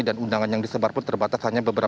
dan undangan yang disebar pun terbatas